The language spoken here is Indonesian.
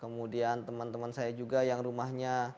kemudian teman teman saya juga yang rumahnya